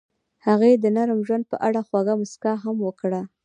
هغې د نرم ژوند په اړه خوږه موسکا هم وکړه.